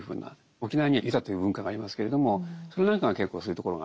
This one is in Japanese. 沖縄にはユタという文化がありますけれどもそれなんかが結構そういうところがあってですね